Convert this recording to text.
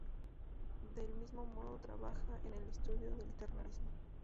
Del mismo modo trabaja en el estudio del terrorismo.